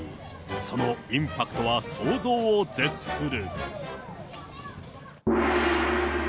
そのインパクトは想像を絶する。